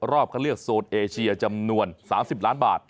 เข้าเลือกโซนเอเชียจำนวน๓๐ล้านบาท